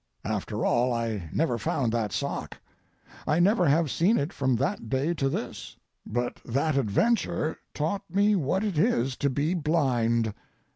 After all, I never found that sock. I never have seen it from that day to this. But that adventure taught me what it is to be blind.